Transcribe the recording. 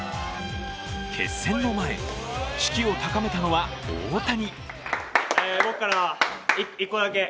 決戦の前、士気を高めたのは大谷。